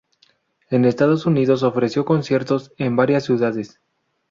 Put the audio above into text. En Estados Unidos ofreció conciertos en varias ciudades.